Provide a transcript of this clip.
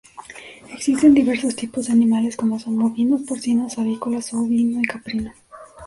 Existen diversos tipos de animales como son: bovinos, porcinos, avícolas, ovino y caprino.